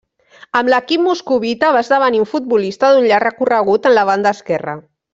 Amb l'equip moscovita va esdevenir un futbolista d'un llarg recorregut en la banda esquerra.